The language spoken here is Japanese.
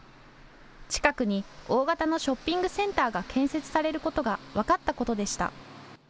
近くに大型のショッピングセンターが建設されることが分かったことでした。